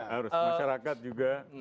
harus harus masyarakat juga